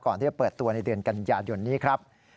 ก่อนที่จะเปิดตัวในเดือนกันยายนนี้ครับ